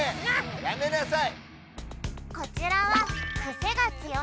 やめなさい！